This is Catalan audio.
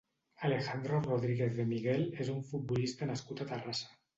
Alejandro Rodríguez de Miguel és un futbolista nascut a Terrassa.